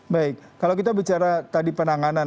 baik kalau kita bicara tadi penanganan